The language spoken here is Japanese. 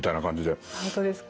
あっ本当ですか。